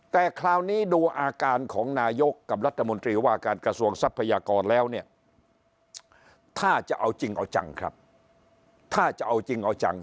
แต่คราวนี้ดูอาการของนายกกับรัฐมนตรีว่าการกระทรวงทรัพยากรแล้วเนี่ยถ้าจะเอาจริงเอาจังครับถ้าจะเอาจริงเอาจัง